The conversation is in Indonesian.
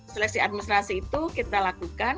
seleksi administrasi itu kita lakukan